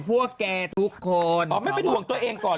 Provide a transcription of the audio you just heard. เอาคนแรกฝั่งตรงนู้นก่อน